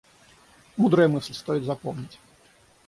Мудрая мысль, стоит запомнить.